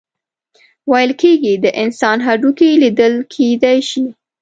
ویل کیږي د انسان هډوکي لیدل کیدی شي.